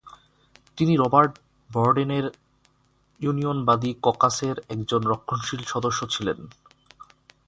তিনি রবার্ট বর্ডেনের ইউনিয়নবাদী ককাসের একজন রক্ষণশীল সদস্য ছিলেন।